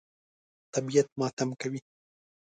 طبیعت ماتم کوي.